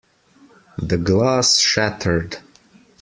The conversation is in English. The glass shattered.